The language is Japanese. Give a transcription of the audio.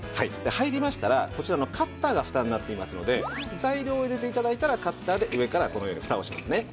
入りましたらこちらのカッターがフタになっていますので材料を入れて頂いたらカッターで上からこのようにフタをしますね。